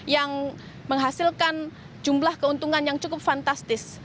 yang menghasilkan jumlah keuntungan yang cukup fantastis